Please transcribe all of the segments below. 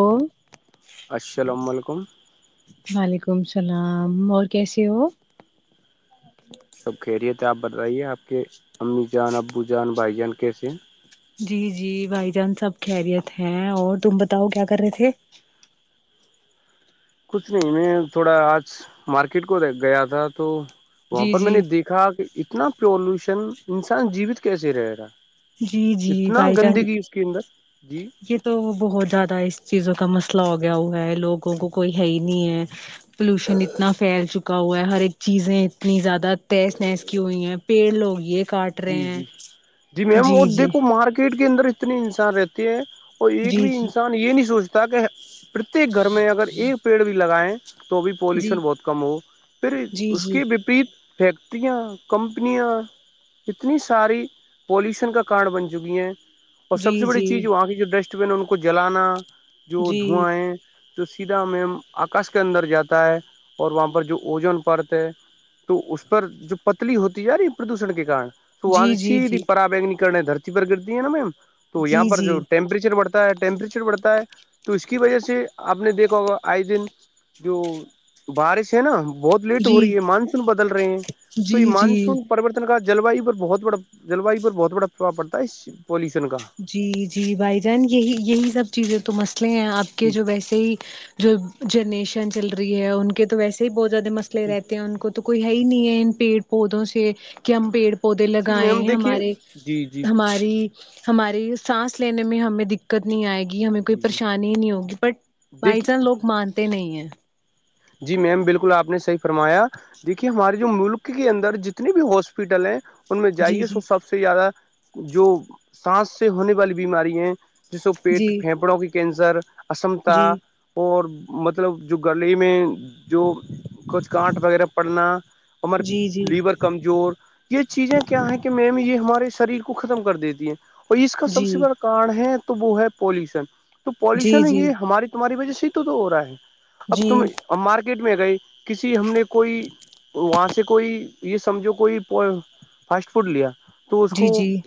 او اششالا وعلیکم وعلیکم السلام اور کیسے ہو سب خیریت ہے آپ بتائیے آپ کے امی جان ابو جان بھائی جان کیسے ہیں جی جی بھائی جان سب خیریت ہے اور تم بتاؤ کیا کر رہے تھے کچھ نہیں میں تھوڑا آج مارکیٹ کو د گیا تھا تو وہاں جی پر میں جی نے دیکھ ا کہ اتنا پولوشن انسان جیوت کیسے رہے رہا جی جی اتنا بھائی جان گندگی اس کے اندر جی یہ تو بہت زیادہ اس چیزوں کا مسئلہ ہو گیا ہوا ہے لوگوں کو کوئی ہے ہی نہیں ہے پلوشن اتنا پھیل چکا ہوا ہے ہر ایک چیزیں اتنی زیادہ تہذ نہز کی ہوئی ہیں پیڑ لوگ یہ کاٹ رہے جی ہیں جی جی میم وہ دیکھو مارکیٹ کے اندر اتنے انسان رہتے ہیں اور ایک جی بھی جی انسان یہ نہیں سوچت تاکہ پرتیک گھر میں اگر ایک پیڑ بھی لگائیں تو بھی پالوشن بہت کم ہو پھر جی اس جی کے وپریت فییکٹریا کمپنیاں اتنی ساری پالوشن کا کارڈ بن چکی ہیں اور سب جی سے بڑی چیز جی وہاں کی جو ڈسٹ بن ان کو جلانا جو جی دھوایں تو سیدھا میم آکاش کے اندر جاتا ہے اور وہاں پر جو اوجن پڑتا ہے تو اس پر جو پتلی ہوتی جاری پرادھوشن کے کار تو وہاں جی جی سے جی سیدھی جی پرا بیگ نکنے دھررتی پر گرتی ہے نا میم تو یہاں جی پر جو جی ٹیمپریچر بڑھتا ہے ہے ٹیمپریچر بڑھتا ہے تو اس کی وجہ سے آپ نے دیکھا ہوگا آئے دن جو بارش ہے نا بہت لیٹ ہو جی رہی ہے مانسون بدل رہے ہیں تو جی یہ جی مانسون پروررتن کا جلویو پر بہت بڑا جلواو پر بہت بڑا پرباؤ پڑتا ہے اس پولوشن کا جی جی بھائی جان یہی یہی سب چیزیں تو مسئلے ہیں آپ کے جی جو ویسے ہی جو جنریشن چل رہی ہے ان کے تو ویسے ہی بہت زیادہ مسلئے جی رہتے ہیں ان کو تو کوئی ہے ہی نہیں ہے ان پیڑ پودوں سے کہ ہم پیڑ پودے جی لگائے میم دیکھیے ہمارے جی جی ہماری ہماری سانس لینے میں ہمیں دقت نہیں آئے گی ہمیں کوئی جی جی پریشانی ہی نہیں ہوگی بٹ بائی دیکھیے چانس لوگ مانتے نہیں ہیں جی میم بالکل آپ نے صحیح فرمایا دیکھیے ہماری ملک کے اندر جتنی بھی ہاسپیٹل ہیں ان میں جی جائیے سو جی سب سے زیادہ جو سانس سے ہونے والی بیماری ہیں جس کو پیٹ جی پھیپڑوں کی کینسر اشمتا جی اور مطلب جو گلے میں جو کچھ کانٹ وغیرہ پڑنا ہم جی لیور کم جور یہ چیزیں کیا ہے کہ میم یہ ہمارے شریر کو ختم کر دیتی ہے اور اس کا سب جی سے بڑا کاڑ ہے تو وہ ہے پولوشن تو جی پولوشن جی یہ ہماری تمہاری وجہ سے ہی تو تو ہو رہا ہے اب جی تم مارکیٹ میں گئی کسی ہم نے کوئی وہاں سے کوئی یہ سمجھو کوئی فاسٹ فوڈ لیا تو اس کو جی جی جی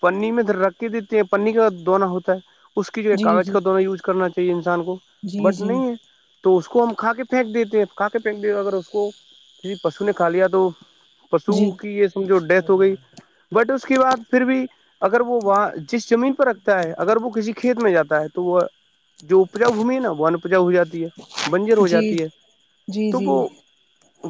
پنی میں اندر رکھ کے دیتے ہیں پنی کا دوننا ہوتا ہے اس کی جو ہے جی کاغذ کا دوننا یوز کرنا چاہیے انسان کو جی جی بٹ نہیں ہے جی تو اس کو ہم کھا کے پھینک دیتے ہیں کھا کے پھینک دیتے اگر اس کو کسی پشو نے کھا لیا تو پشو جی کی یہ سمجھو ڈیتھ ہو گئی بٹ اس کے بعد پھر بھی اگر وہ وہاں جس زمین پے رکھتا ہے اگر وہ کسی کھیت میں جاتا ہے وہ جو اپجا بھمی ہے نا وہ انپجاؤ ہو جاتی ہے بنی جی جاتی ہے جی جی تو وہ جی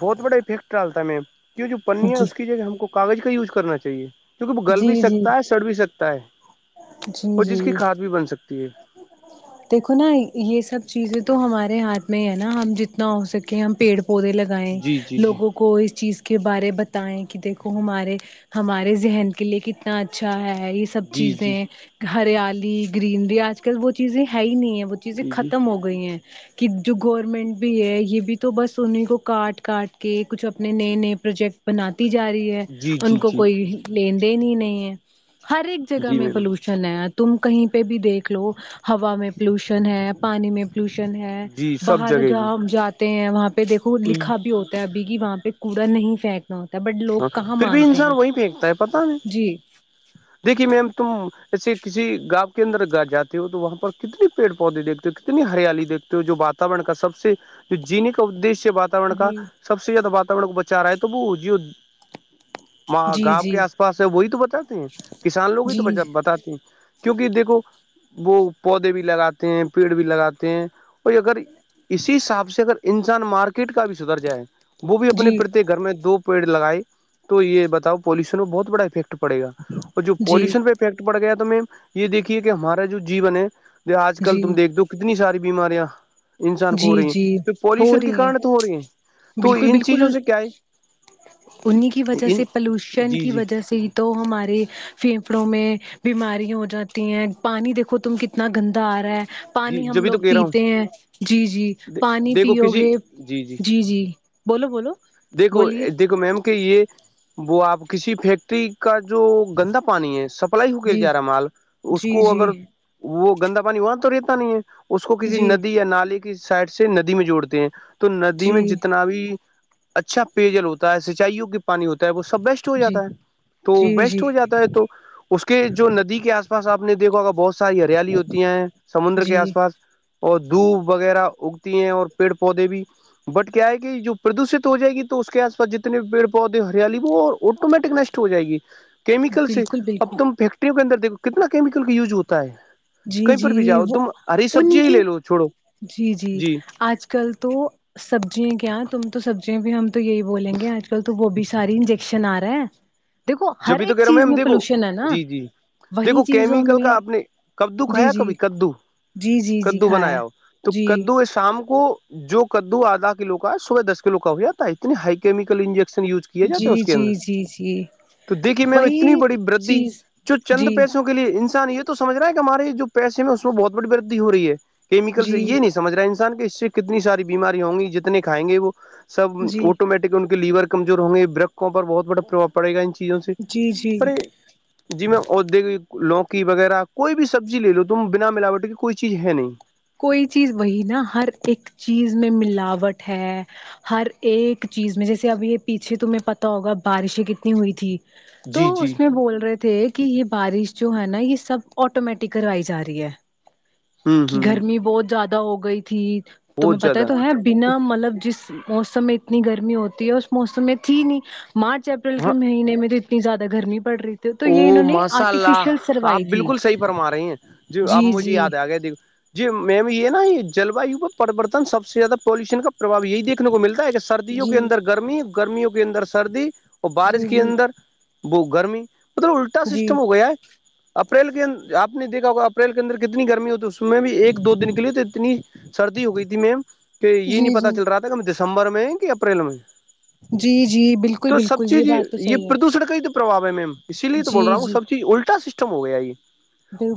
بہت بڑا افیکٹ ڈالتا ہے میم کیوں جو پننیا ہے جی اس کی ج ہم کو کاغذ کا یوز کرنا چاہیے کیونکہ وہ گل بھی جی سکتا ہے سڑ بھی سکتا ہے جی اور جی جس کی کھاد بھی بن سکتی ہے دیکھو نا یہ سب چیزیں تو ہمارے ہاتھ میں ہے نا ہم جتنا ہو سکے ہم پیڑ پودے لگ گائیں جی جی جی لوگوں کو اس چیز کے بارے بتائیں کہ دیکھو ہمارے ہمارے ذہن کے لیے کتنا اچھا ہے یہ سب جی جی جی چیزیں ہریالی گرینری آج کل وہ چیزیں ہے ہی نہیں ہے وہ چیزیں جی ختم ہو گئی گئی ہیں کہ جو گورنمنٹ بھی ہے یہ بھی تو بس انہیں کو کاٹ کاٹ کے کچھ اپنے نئے نئے پروجیکٹ بنات جا رہی ہے جی ان جی کو جی کوئی لین دین ہی نہیں ہے ہر ایک جگہ جی میں میم پلوشن ہے تم کہیں پہ بھی دیکھ لو ہوا میں پولوشن ہے پانی میں پولوشن ہے جی سب باہر جگہ جی جہاں جاتے ہیں وہاں پہ دیکھو لکھا بھی ہوتا ابھی کہ وہاں پہ کوڑا نہیں پھین نا ہو تابٹ ہاں پھر بھی انسان وہی پھینکتا ہے پتا نہیں جی دیکھیے میم تم ایسے کسی گاؤ کے اندر گا جاتے ہو تو وہاں پر کتنے پیڑ پودے دے کتنی ہریالی دھتے ہو جو واتاورن کا سب سے جو جین کا ادش بات [unintelligible] وور کا جی سب سے زیادہ واتاورن کو بچا رہا ہے تو جیود ما جی گاؤں کے جی آس پاس ہے وہی تو بچاتے ہیں کسان لوگ ہی تو جی بچاتے ہیں کیونکہ دیکھو وہ پودے بھی لگاتے ہیں پیڑ بھی لگاتے ہیں اور اگر اسی حساب سے اگر انسان مارکیٹ کا بھی سدھر جائے وہ بھی اپنے جی پرتی گھر میں دو پیڑ لگائے تو یہ بتاؤ پالوشن میں بہت بڑا افیکٹ پڑے گا اور جو جی پالوشن پہ فیکٹ پڑ گیا تو مم یہ دیکھیے کہ ہمارا جو جیون ہے آج کل جی تم دیک دو ہو کتنی ساری بیماریاں انسان کو ہو جی رہی جی ہیں تو ہو پولوشن کے رہی ہیں کارن تو ہو رہی ہیں تو ان چیزوں سے کیا ہے انیں کی وجہ ان سے پلوشن جی کی جی وجہ سے ہی تو ہمارے پھیپڑوں میں بیماری ہو جاتی ہیں پانی دیکھو تم کتنا گندا آ رہا ہے جی پانی ہم جبھی لوگ تو کہہ رہا ہوں پیتے ہیں جی جی پانی پیو گے جی جی بولو بولو دیکھو بولیے دیکھو میم کہ یہ وہ آپ کسی فیکٹ ٹری کا جو گندا پانی ہے سپلائی ہو کے جی جا رہا مال اس جی کو جی اگر وہ گندا پانی وہاں تو رہتا نہیں ہے اس کو کسی جی ندی یا نالے کی سائڈ سے ندی میں جوڑتے ہیں تو ندی میں جی جتنا بھی اچھا پیجل ہوتا ہے سینچائیوں کی پانی ہوتی تاہے وہ سب ویسٹ ہو جا جی ہے تو جی جی ویسٹ ہو جاتا ہے تو اس کے جو ندی کے آس پاس آپ نے دیکھا ہوگا بہت ساری ہریالی ہوتی ہیں سمندر کے آس جی پاس اور دھوپ وغیرہ اگتی ہیں اور پیڑ پودے بھی بٹ کیا ہے کہ جو پردوشت ہو جائے گی تو اس کے آس پس جتنے پیڑ پودے ہریالی وہ اور آٹومیٹک نش ہو جائے گی کیمیکل سے بالکل اب بالکل تم فیکٹریوں کے اندر دیکھو کتنا کیمیکل کا یوز ہوتا ہے جی کہیں جی پر بھی جاؤ وہ تم ہری ان سبزی ہی کی لے لو چھوڑو جی جی آج آ کل تو سبزیں کیا تم تو سبزیاں بھی ہم تو یہی بولیں گے آج کل تو وہ بھی ساری انجک شن آرہا ہے دیکھو ہر جبھی تو ایک کہہ رہا ہوں چیز میم میں دیکھو پولوشن ہے نا جی جی وہی دیکھو چیزوں کیمیکل میں کا آپ نے کدو جی کھایا جی کبھی کدو جی جی جی کدو کھایا ہے بنایا ہو تو جی کدو یہ شام کو جو کدو آدا کلو کا ہے صبح دس کلو کا ہو جاتا ہے اتنی ہائی کیمکل انجیکشن یوز کیا جی جی جی جی تو دیکھیے میم اتنی وہی بڑی بردی چیز جو چند جی پیسوں کو کے لیے انسان یہ تو سمجھ رہا ہے کہ ہمارے جو پیسے میں اس میں بہت بڑی وردھ ہوراہی ہے کیمیکل سے جی یہ نہیں سمجھ رہا ہے انسان کے اس سے کتنی ساری بیماری ہوں گی جتنے کھائے گے وہ سب جی آٹومیٹک کہ ان کے لیور کمزور ہوں گے برقوں پر بہت بڑا پربھؤ پڑے گا ان چیزوں سے جی جی پرے [unintelligible] جی میم اور دل لوکی وغیرہ کوئی بھی سبزی لے لو تم بنا ملاوٹ کی کوئی چیز ہے نہیں کوئی چیز وہی نا ہر ایک چیز میں ملاوٹ ہے ہر ایک چیز میں جیسے اب یہ پیچھے تمہیں پتہ ہوگا بارشیں کتنی ہوئی تھی تو جی جی اس میں بول رہے تھے کہ یہ بارش جو ہے نا یہ سب آٹومیٹک کروائی جا رہی ہے ہوں کہ ہوں گرمی بہت زیادہ ہو گئی تھی بہت تمہیں پتا ہی زیادہ تو ہے بنا مطلب جس موسم میں اتنی گرمی ہوتی ہے اس موسم میں تھی نہیں مارچ اپریل کے ہاں مہینے میں تو اتنی زیادہ گرمی پڑ رہی تھی تو یہ او انہوں نے ماشاء اللہ آرٹیفیشیل آپ سروائی تھی بالکل صحیح فرما رہی ہیں جو اب جی مجھے جی یاد آ گیا د جی میم یہ نا جل وایو پ پرریوررتن سب سے زیادہ پالوشن کا [unintelligible] پرباؤ یہی دیکنے کو ملتا ہے کہ سردیوں جی کے اندر گرمی گرمیوں کے اندر سردی اور بارش جی کے جی اندر وہ گرمی مطلب الٹا جی سسٹم ہو گیا ہے اپریل کے انر آپ نے دیکا ہوگا اپریل کے اندر کتنی گرمی ہوتی اس میں بھی ایک دو دن کے لیے تو اتنی سردی ہو گئی تھی میم کہ یہ نہیں جی پتا جی چل رہا تھا دسمبر میں ہے کہ اپریل میں جی جی بالکل تو سب بالکل یہ چیز بات تو یہ صحیح ہے پردوشن کا ہی تو پرباؤ ہے میم اسی تو بول رہا جی ہوں جی سب چیز الٹا سسٹم ہو گیا یہ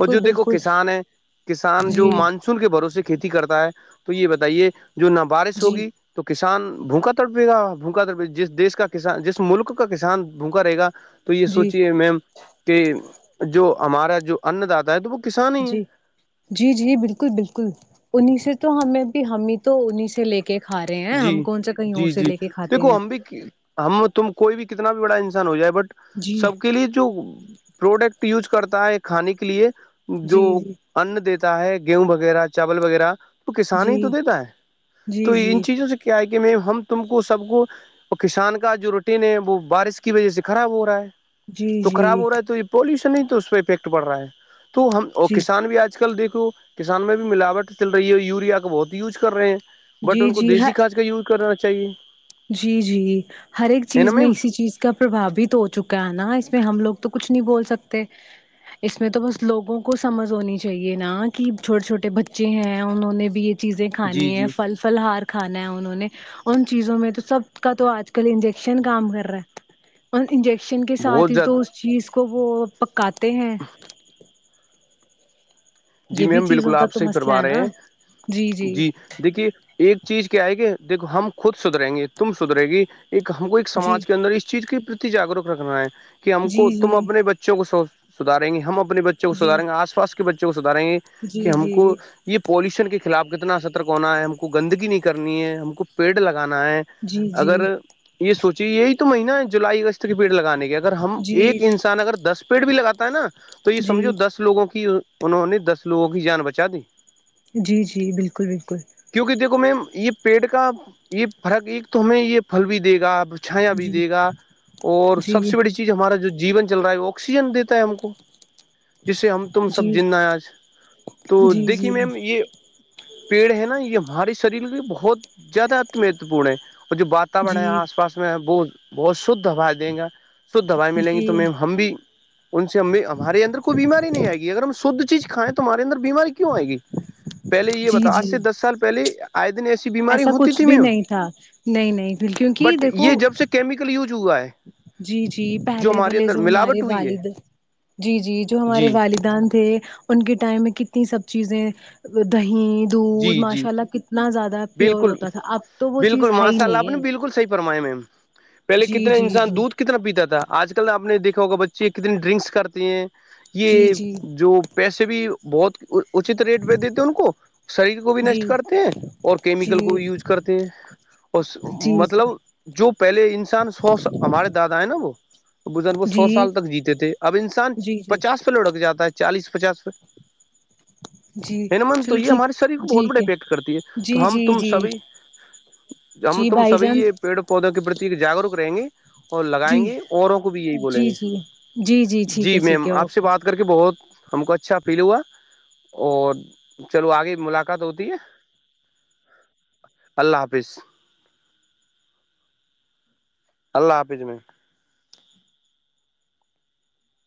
اور جو دیکھو بالکل کسان ہے کسان جی جو مان کے بھروسے کھیتی کرتا ہے تو یہ بتائیے جو نہ بارش جی ہوگی تو کسان بھوکا تڑپے گا بھوکا تڑپے جس دیش کا کسان جس ملک کا کسان بھوکا رہے گا تو یہ جی سوچے میم کہ جو ہمارا جو ان داتا ہے تو وہ کسان ہی ہے جی جی جی بالکل بالکل انہی سے تو ہمیں بھی ہمیں تو انہیں سے لے کے کے کھا رہے ہیں جی ہم کون سا کہیں اور جی سے جی لے کے کھاتے دیکھو ہیں ہم ہم تم کوئی بھی کتنا بھی بڑا انسان ہو جائے بٹ جی سب کے لیے جو پروڈکٹ یوز کرتا ہے کھانے کے لیے جو جی ان دیتا ہے گیہوں وغیرہ چاول وغیرہ تو کسان ہی تو جی دیتا ہے جی تو جی ان سے کیا ہے کہ میں ہم تم کو سب کو تو کسان کا جو روٹین ہے وہ بارش کی وجہ سے خراب ہو رہا ہے جی تو جی خراب ہو رہا ہے تو یہ پولوشن ہی تو اس پہ افیکٹ پڑ رہا ہے تو ہم جی کسان بھی آج کل دیکھو کسان میں بھی ملاوٹ چل رہی ہے یوریا کو بہت ہی یوز کر رہے ہیں بٹ جی ان کو جی ہ دیسی کھاد کا یوز کرنا چاہیے جی جی ہر ایک ہے نا چیز میں میم اسی چیز اس کا پربھو بھی تو ہو چکا ہے نا اس میں ہم لوگ تو کچھ نہیں بول سکتے اس میں تو بس لوگوں کو سمجھ ہونی چاہیے نا کہ چھوٹے چھوٹے بچے ہیں انہوں نے بھی چیزیں جی کھانی ہے جی پل فل ہار کھانا ہے انہوں نے ان چیزوں میں سب کا تو آج کل انجیکشن کام کر رہا ہے اور انجیکشن کے ساتھ بہت ہی زیادہ تو چیز کو وہ پکاتے ہیں جی یہ بھی میم بالکل چیزوں کا آپ تو صحیح مسئلہ فرما ہے رہے نا ہیں جی دیکھیے ایک چیز کیا آئے کہ دیکھو ہم خود سدریں گے تم سدھرے گی ایک ہم کو ایک جی سماج کے اندر اس چیز کے پرتی جاگروک رکھنا ہے کہ ہم کو تم جی اپنے بچے بچوں کو سدھاریں گے ہم اپنے بچوں کو جی سدھاریں گے آس پاس کے بچوں کو سدھاریں گے کہ جی جی ہم کو جی یہ پالوشن کے خلاف کتنا سترک ہونا ہے ہم کو گندگی نہیں کرنی ہے ہم کو پیڑ لگانا ہے جی اگر جی یہ سوچی یہی تو مہینہ جولائی اگست کے پیڑ لگانے کے اگر ہم ایک جی انسان اگر دس پیڑ بھی لگاتا ہے نا تو یہ سمجھو جی دس لوگوں کی انہوں نے دس لوگوں کی جان بچا دی جی جی بالکل بالکل کیونکہ دیکھو میم یہ پیٹ کا یہ فرق ایک تو ہمیں یہ پھل بھی دے گا چھایا بھی جی دے گا اور جی سب سے بڑی چیز ہمارا جو جیون چل رہا ہے وہ آکسیجن دیتا ہے ہم کو جس سے ہم تم سے جی سب جندا ہے آج تو جی دیکھیے جی میم یہ پیڑ ہے نا یہ ہمارے شریر بہت زیادہ مہتوپورن ہے اور جو بات واتاوارن ہے جی اس پاس میں بہت شدہ ہوا دینگا شد دوائی ملیں گی تو جی ہم بھی ان سے ہم بھی ہمارے اندر کوئی بیماری نہیں آئے گی اگر ہم شھد چیز کھائیں تمہارے اندر بیماری کیوں آئے گی پہلے یہ جی بتا آج جی سے دس سال پہلے آدشیہ [unintelligible] ایسا کچھ بھی نہیں تھا نہیں نہیں کیونکہ دیکھو یوج ہوا ہے جی جی جو پہلے ہمارے والے اندر جو ہمارے ملاوٹ ہوئی ہے والد جی جی جو ہمارے جی والدان تھے ان کے ٹائم میں کتنی سب چیزیں دہی دودھ جی جی ماشاء اللہ کتنا زیادہ پیور بالکل ہوتا تھا اب تو وہ بالکل چیز ہے ہی ماشاء اللہ آپ نہیں نے ہے بالکل صحیح فرمایا میم پہلے جی کتنے جی انسان جی دودھ کے کتنا پیتا تھا آج کل آپ نے دیکھا ہوگا بچے کتنی ڈرنکس کرتے ہیں یہ جی جو پیسے بھی بہت اچت ریٹ پہ دیتے ان کو شریر کو بھی نشٹ جی کرتے ہیں اور کیمیکل جی کو بھی یوز کرتے ہیں اور جی مطلب جو پہلے انسان سے سو س ہمارے دادا ہے نا وہ بن وہ سو جی سال تک جیتے تھے اب انسان جی جی جی پچاس لوڑک جاتا ہے چالیس پچاس ہے جی ہے نہ میم تو چلو یہ ٹھیک ہمارے شریر کو بہت بڑے ٹھیک ہے پیٹ کرتی ہے جی تو ہم جی تم جی سبھی ہم جی تم بھائی سبھی جان یہ پیڑ پودوں کے پرتی جاگروک رہیں گے اور لگائیں جی گے اوروں کو بھی یہی بولیں جی گے جی جی ٹھیک جی ہے ٹھیک میم ہے آپ سے اوکے بات کر کے بہت ہم کو اچھا فیل ہوا اور چلو آگے ملاقات ہوتی ہے اللہ حافظ اللہ حافظ میم